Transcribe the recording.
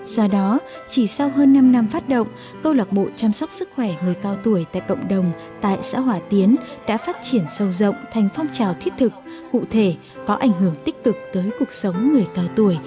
do đó chỉ sau hơn năm năm phát động câu lạc bộ chăm sóc sức khỏe người cao tuổi tại cộng đồng tại xã hòa tiến đã phát triển sâu rộng thành phong trào thiết thực cụ thể có ảnh hưởng tích cực tới cuộc sống người cao tuổi